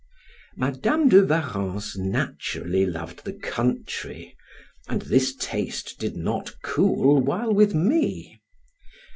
Madam de Warrens naturally loved the country, and this taste did not cool while with me.